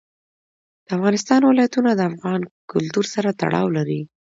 د افغانستان ولايتونه د افغان کلتور سره تړاو لري.